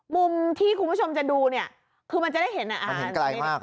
มุมที่คุณผู้ชมจะดูเนี่ยคือมันจะเห็นมันเห็นไกลมาก